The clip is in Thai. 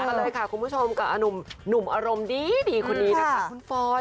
นะคะต่อกันเลยค่ะคุณผู้ชมกับนุมอารมณ์ดีคุณลีนะคะ